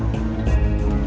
ya pak juna